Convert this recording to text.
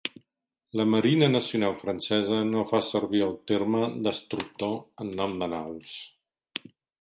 La Marina Nacional Francesa no fa servir el terme 'destructor' en noms de naus.